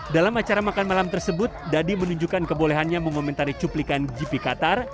dalam acara makan malam tersebut dadi menunjukkan kebolehannya mengomentari cuplikan gp qatar